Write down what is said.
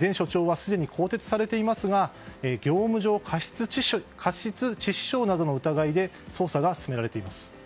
前署長はすでに更迭されていますが業務上過失致死傷などの疑いで捜査が進められています。